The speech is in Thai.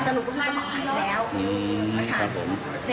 เสร็จแล้วมาเมื่อวานล่างสุขีด